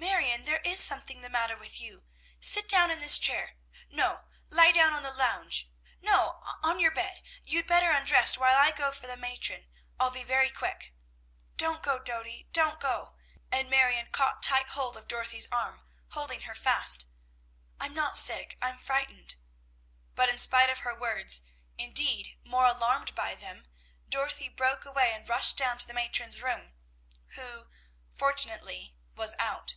"Marion! there is something the matter with you. Sit down in this chair. No, lie down on the lounge. No, on your bed. You'd better undress while I go for the matron. I'll be very quick." "Don't go, Dody! Don't go," and Marion caught tight hold of Dorothy's arm, holding her fast. "I'm not sick; I'm frightened." But in spite of her words, indeed more alarmed by them, Dorothy broke away and rushed down to the matron's room, who, fortunately, was out.